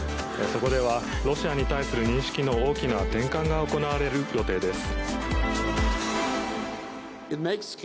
そこではロシアに対する認識の大きな転換が行われる予定です。